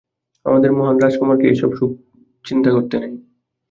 আমাদের মহান রাজকুমারকে এইসব সুখ চিন্তা করতে দেই।